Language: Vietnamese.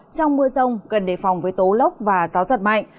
trong mưa rông cần đề phòng với tố lốc và gió giật mạnh